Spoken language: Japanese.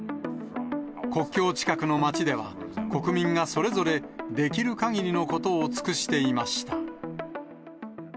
国境近くの町では、国民がそれぞれ、できるかぎりのことを尽くしていました。